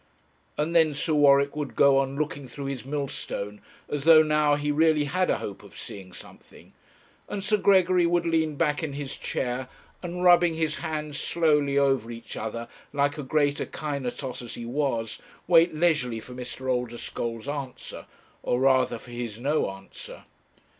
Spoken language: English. And then Sir Warwick would go on looking through his millstone as though now he really had a hope of seeing something, and Sir Gregory would lean back in his chair, and rubbing his hands slowly over each other, like a great Akinetos as he was, wait leisurely for Mr. Oldeschole's answer, or rather for his no answer.